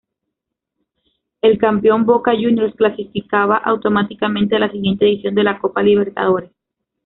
El campeón Boca Juniors clasificaba automáticamente a la siguiente edición de la Copa Libertadores.